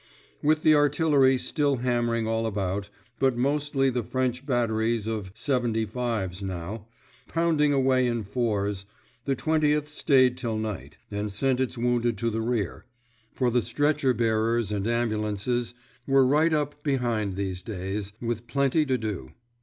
With the artillery still hammering all about—but mostly the French batteries of "75's" now, pounding away in fours—the Twentieth stayed till night, and sent its wounded to the rear—for the stretcher bearers and ambulances were right up behind these days, with plenty to do.